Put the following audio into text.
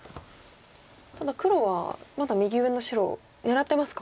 ただ黒はまだ右上の白を狙ってますか？